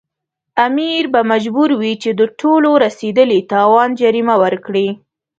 امیر به مجبور وي چې د ټولو رسېدلي تاوان جریمه ورکړي.